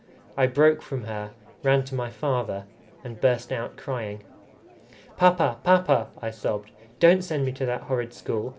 I broke from her, ran to my father, and burst out crying. "Papa! papa!" I sobbed, "don't send me to that horrid school.